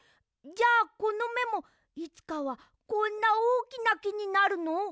じゃあこのめもいつかはこんなおおきなきになるの？